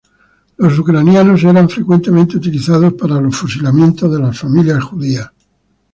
Los ucranianos eran frecuentemente utilizados para los fusilamientos de las familias judías.